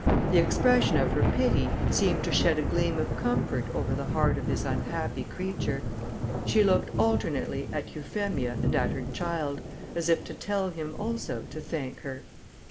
The expression of her pity seemed to shed a gleam of comfort over the heart of this unhappy creature. She looked alternately at Euphemia and at her child, as if to tell him also to thank her.